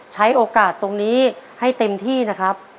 ใช้โอกาสตรงนี้ให้เต็มที่นะครับ